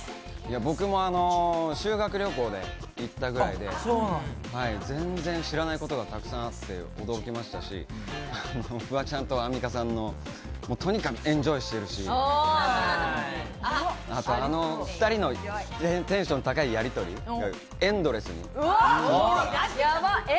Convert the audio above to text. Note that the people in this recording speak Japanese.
僕は修学旅行で行ったくらいで全然知らないことがたくさんで驚きましたし、フワちゃんとアンミカさんのとにかくエンジョイしているシーン、２人のテンション高いやりとり、エンドレスに。